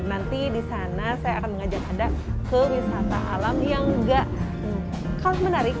nanti di sana saya akan mengajak anda ke wisata alam yang gak kalah menarik